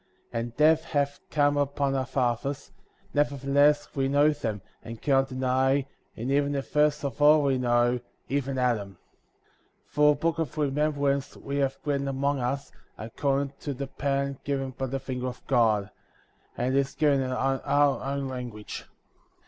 45. And death hath come upon our fathers ; never theless we know them, and cannot deny, and even the first of all we know, even Adam.^ 46. For a book of remembrance^' we have written among us, according to the pattern given by the finger of God ; and it is given in our own language.